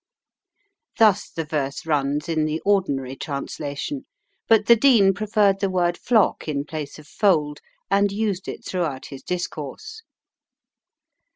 Thus the verse runs in the ordinary translation, but the Dean preferred the word "flock" in place of fold, and used it throughout his discourse.